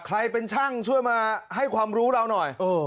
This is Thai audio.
ใครเป็นช่างช่วยมาให้ความรู้เราหน่อย